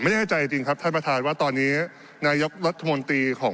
ไม่แน่ใจจริงครับท่านประธานว่าตอนนี้นายกรัฐมนตรีของ